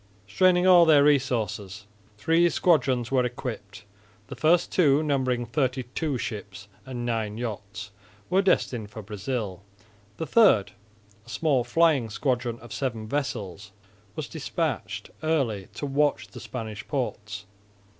Straining all their resources, three squadrons were equipped; the first two, numbering thirty two ships and nine yachts, were destined for Brazil; the third, a small flying squadron of seven vessels, was despatched early to watch the Spanish ports.